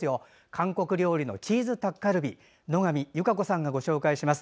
韓国料理チーズタッカルビ野上優佳子さんがご紹介します。